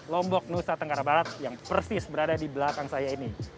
lombok nusa tenggara barat yang persis berada di belakang saya ini